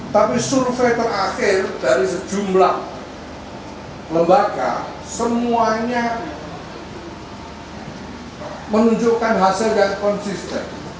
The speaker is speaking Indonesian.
tapi survei terakhir dari sejumlah lembaga semuanya menunjukkan hasil yang konsisten